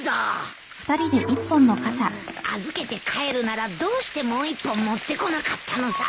うん預けて帰るならどうしてもう１本持ってこなかったのさ。